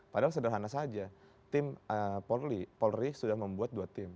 padahal sederhana saja tim polri sudah membuat dua tim